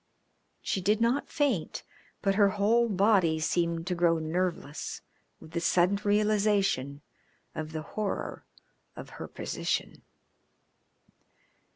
She did not faint, but her whole body seemed to grow nerveless with the sudden realisation of the horror of her position.